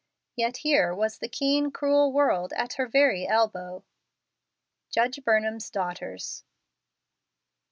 Yet here was the keen, cruel world at her very elbow ! Judge Burnham's Daughters.